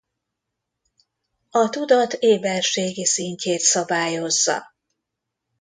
A tudat éberségi szintjét szabályozza.